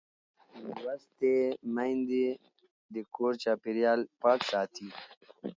لوستې میندې د کور چاپېریال پاک ساتي.